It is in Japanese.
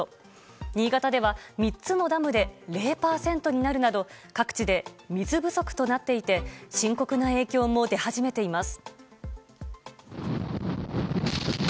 新潟では３つのダムで０％になるなど各地で水不足となっていて深刻な影響も出始めています。